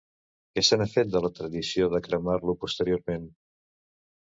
Què se n'ha fet, de la tradició de cremar-lo posteriorment?